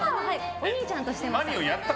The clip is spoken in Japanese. お兄ちゃんとやってました。